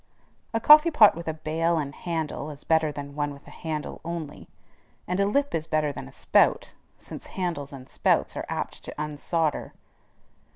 A coffee pot with a bail and handle is better than one with a handle only, and a lip is better than a spout; since handles and spouts are apt to unsolder.